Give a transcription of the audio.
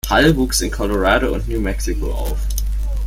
Hall wuchs in Colorado und New Mexico auf.